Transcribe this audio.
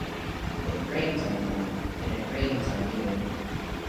It rains on them and it rains on you.